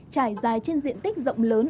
trải dài trên diện tích rộng lớn